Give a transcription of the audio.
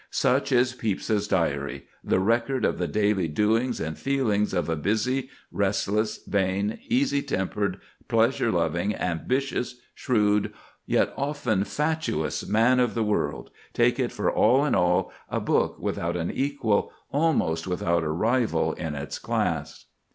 Such is Pepys's Diary—the record of the daily doings and feelings of a busy, restless, vain, easy tempered, pleasure loving, ambitious, shrewd, yet often fatuous, man of the world; take it for all in all, a book without an equal, almost without a rival, in its class.